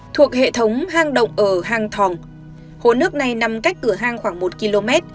thuộc hệ thống hang động ở hang thòng hồ nước này nằm cách cửa hàng khoảng một km